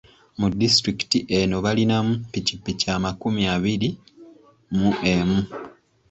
Mu disitulikiti eno balinamu ppikipiki amakumi abiri mu emu.